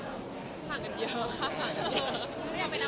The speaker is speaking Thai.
ค่ะห่างกันเยอะ